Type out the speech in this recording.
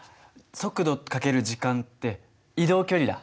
速度×時間って移動距離だ。